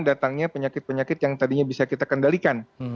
datangnya penyakit penyakit yang tadinya bisa kita kendalikan